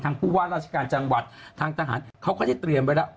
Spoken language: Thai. ผู้ว่าราชการจังหวัดทางทหารเขาก็ได้เตรียมไว้แล้ว